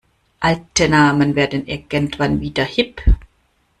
Alte Namen werden irgendwann wieder hip.